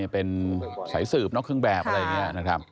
เป็นสายสืบนอกเครื่องแบบมันแหละครับ